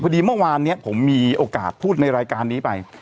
ดีเมื่อวานนี้ผมมีโอกาสพูดในรายการนี้ไป